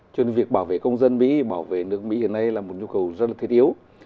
cho nên việc bảo vệ công dân mỹ bảo vệ nước mỹ hiện nay là một nhu cầu rất là thiết yếu